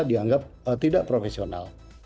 dianggap tidak profesional